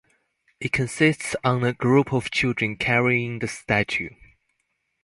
It consists on a group of children carrying the statue.